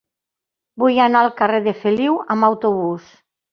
Vull anar al carrer de Feliu amb autobús.